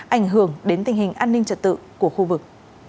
ảnh hưởng đến tình hình an ninh trật tự của khu vực